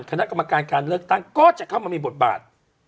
คณะกรรมการการเลือกตั้งก็จะเข้ามามีบทบาท